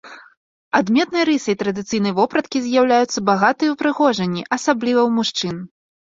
Адметнай рысай традыцыйнай вопраткі з'яўляюцца багатыя ўпрыгожанні, асабліва ў мужчын.